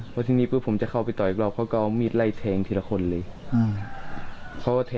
เพราะที่นี้ผมจะเข้าไปอีกรอบเขาก็เอามีดไล่แทงทีละคนเลย